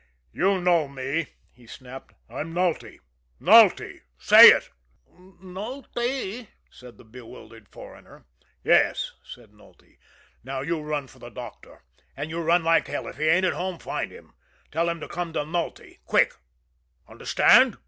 "You know me!" he snapped. "I'm Nulty Nulty. Say it!" "Nultee," said the bewildered foreigner. "Yes," said Nulty. "Now you run for the doctor and you run like hell. If he ain't at home find him. Tell him to come to Nulty quick. Understand?"